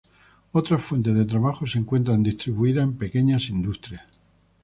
Otras fuentes de trabajo se encuentran distribuidas en pequeñas industrias.